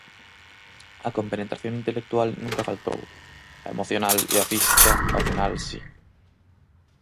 A compenetración intelectual nunca faltou; a emocional e a física, ao final, si...